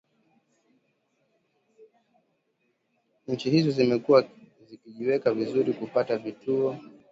Nchi hizo zimekuwa zikijiweka vizuri kupata kivutio cha uwekezaji mkubwa wa mtaji wa kigeni na kufikia kuwa kituo cha fedha cha kieneo